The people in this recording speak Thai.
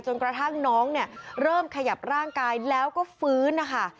กระทั่งน้องเนี่ยเริ่มขยับร่างกายแล้วก็ฟื้นนะคะ